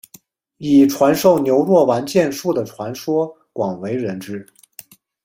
以传授牛若丸剑术的传说广为人知。